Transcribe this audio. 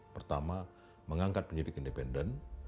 pertama mengangkat penyelidik independen